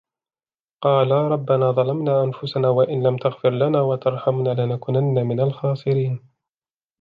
قَالَا رَبَّنَا ظَلَمْنَا أَنْفُسَنَا وَإِنْ لَمْ تَغْفِرْ لَنَا وَتَرْحَمْنَا لَنَكُونَنَّ مِنَ الْخَاسِرِينَ